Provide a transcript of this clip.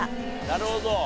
なるほど。